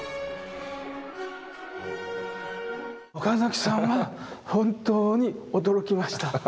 岡さんは本当に驚きました。